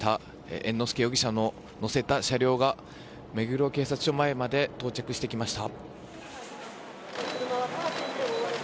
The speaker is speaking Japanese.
猿之助容疑者を乗せた車両が目黒警察署前まで到着してきました。